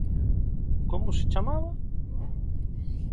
¿Como se chamaba?